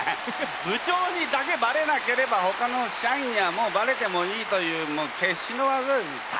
部長にだけバレなければほかの社員にはもうバレてもいいという決死の技ですね。